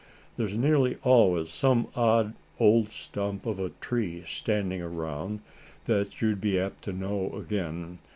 There's nearly always some odd old stump of a tree standing around that you'd be apt to know again.